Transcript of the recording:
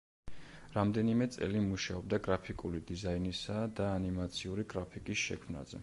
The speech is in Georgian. რამდენიმე წელი მუშაობდა გრაფიკული დიზაინისა და ანიმაციური გრაფიკის შექმნაზე.